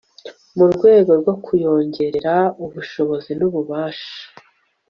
mu rwego rwo kuyongerera ubushobozi n'ububasha